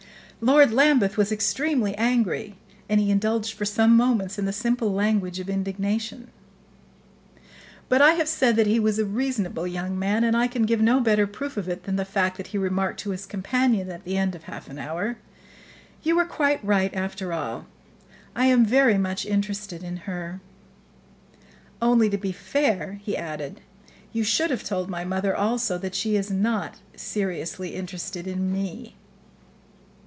Lord Lambeth was extremely angry, and he indulged for some moments in the simple language of indignation. But I have said that he was a reasonable young man, and I can give no better proof of it than the fact that he remarked to his companion at the end of half an hour, "You were quite right, after all. I am very much interested in her. Only, to be fair," he added, "you should have told my mother also that she is not seriously interested in me."